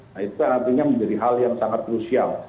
nah itu kan artinya menjadi hal yang sangat crucial